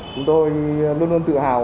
chúng tôi luôn luôn tự hào